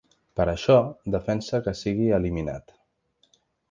Per això defensa que sigui eliminat.